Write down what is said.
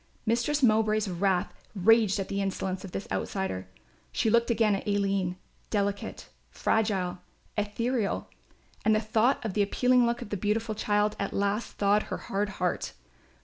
Mistress Mowbray's wrath raged at the insolence of this outsider. She looked again at Aline, delicate, fragile, ethereal, and the thought of the appealing look of the beautiful child at last thawed her hard heart.